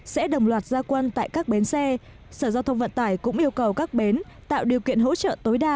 sẽ đồng loạt gia quân tại các bến xe sở giao thông vận tải cũng yêu cầu các bến tạo điều kiện hỗ trợ tối đa